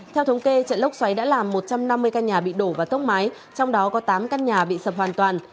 theo thống kê trận lốc xoáy đã làm một trăm năm mươi căn nhà bị đổ và tốc mái trong đó có tám căn nhà bị sập hoàn toàn